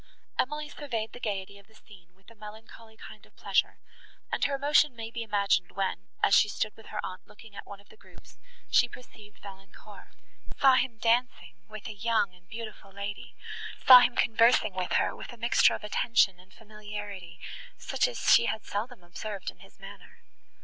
Emily surveyed the gaiety of the scene with a melancholy kind of pleasure, and her emotion may be imagined when, as she stood with her aunt, looking at one of the groups, she perceived Valancourt; saw him dancing with a young and beautiful lady, saw him conversing with her with a mixture of attention and familiarity, such as she had seldom observed in his manner.